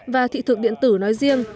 và thị thực điện tử nói riêng